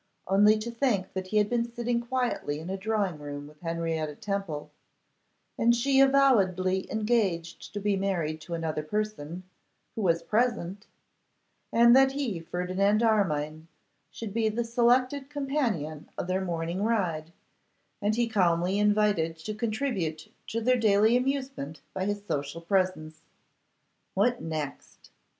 Only to think that he had been sitting quietly in a drawing room with Henrietta Temple, and she avowedly engaged to be married to another person, who was present; and that he, Ferdinand Armine, should be the selected companion of their morning ride, and be calmly invited to contribute to their daily amusement by his social presence! What next?